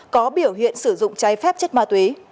có biểu hiện sử dụng trái phép chất ma túy